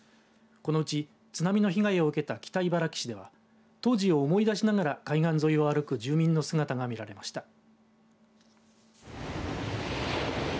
このうち、津波の被害を受けた北茨城市では当時を思い出しながら海岸沿いを歩く住民の姿が見られました。